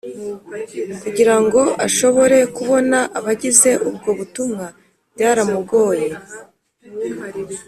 Kugirango ashobore kubona abagize ubwo butumwa byaramugoye